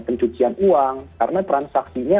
pencucian uang karena transaksinya